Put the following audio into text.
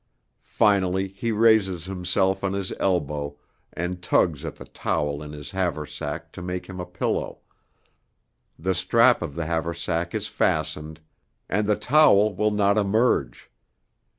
Finally he raises himself on his elbow and tugs at the towel in his haversack to make him a pillow; the strap of the haversack is fastened, and the towel will not emerge.